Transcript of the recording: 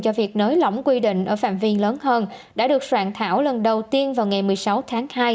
cho việc nới lỏng quy định ở phạm vi lớn hơn đã được soạn thảo lần đầu tiên vào ngày một mươi sáu tháng hai